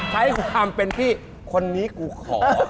ใช้ความเป็นพี่คนนี้กูขอ